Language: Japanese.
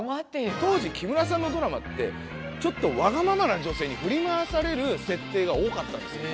当時木村さんのドラマってちょっとわがままな女性にふり回されるせっていが多かったんですよ。